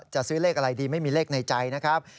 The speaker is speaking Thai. จะซื้อเลขอะไรดีไม่มีเลขในใจนะครับ